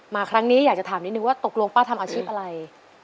ครั้งนี้อยากจะถามนิดนึงว่าตกลงป้าทำอาชีพอะไร